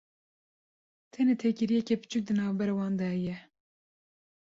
tenê têkiliyeke biçûk di navbera wan de heye.